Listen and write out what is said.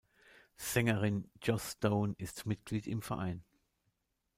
Sängerin Joss Stone ist Mitglied im Verein.